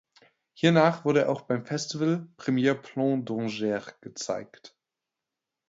Hiernach wurde er auch beim Festival Premiers Plans d’Angers gezeigt.